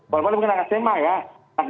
walaupun aku punya anak sma ya